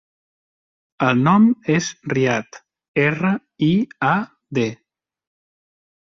El nom és Riad: erra, i, a, de.